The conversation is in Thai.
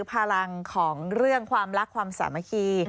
พลังของเรื่องความรักความสามัคคี